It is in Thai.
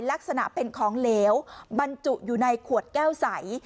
ลักษณะเป็นของเหลวบรรจุอยู่ในขวดแก้วใส